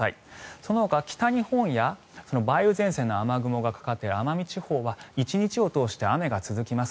そのほか北日本や梅雨前線の雨雲がかかっている奄美地方は１日を通して雨が続きます。